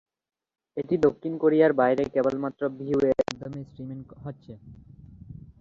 এটি দক্ষিণ কোরিয়ার বাইরে কেবলমাত্র ভিউ-এর মাধ্যমে স্ট্রিমিং হচ্ছে।